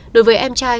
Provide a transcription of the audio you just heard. đối với em trai